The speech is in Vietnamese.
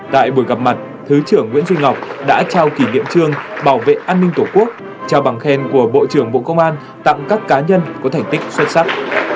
tại buổi gặp mặt thứ trưởng nguyễn duy ngọc đã trao kỷ niệm trương bảo vệ an ninh tổ quốc trao bằng khen của bộ trưởng bộ công an tặng các cá nhân có thành tích xuất sắc